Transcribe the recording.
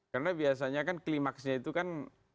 karena biasanya kan klimaksnya itu kan